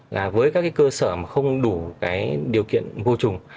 là với các cái cơ sở mà không đủ cái điều kiện vô trùng